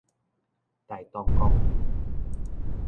大同公園